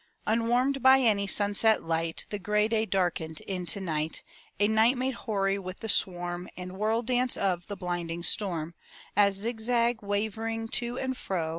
Unwarmed by any sunset light The gray day darkened into night, A night made hoary with the swarm And whirl dance of the blinding storm. As zig zag, wavering to and fro.